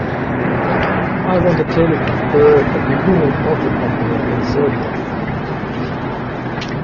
I want a table for four at the Union Auto Company in Serbia